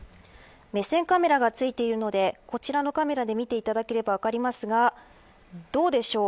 目線カメラがついているのでこちらのカメラで見ていただければ分かりますがどうでしょう